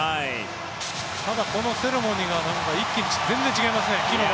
ただこのセレモニーが全然違いますね。